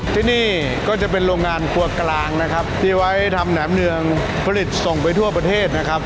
ที่นี่ก็จะเป็นโรงงานครัวกลางนะครับที่ไว้ทำแหนมเนืองผลิตส่งไปทั่วประเทศนะครับ